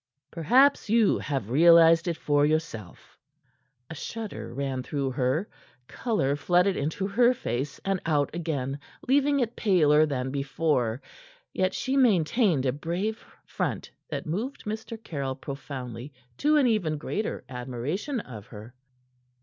"Perhaps you have realized it for yourself." A shudder ran through her; color flooded into her face and out again, leaving it paler than before; yet she maintained a brave front that moved Mr. Caryll profoundly to an even greater admiration of her.